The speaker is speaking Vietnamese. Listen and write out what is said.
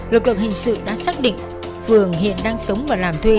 lực lượng hình sự đã xác định phường hiện đang sống và làm thuê